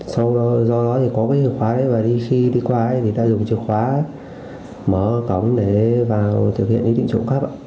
sau đó do đó thì có cái chìa khóa đấy và khi đi qua ấy thì ta dùng chìa khóa mở cổng để vào thực hiện ý định trộm cắt